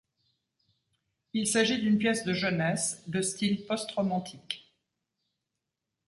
Il s'agit d'une pièce de jeunesse, de style post-romantique.